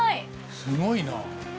すごいなあ。